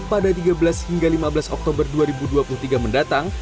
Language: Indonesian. pada tiga belas hingga lima belas oktober dua ribu dua puluh tiga mendatang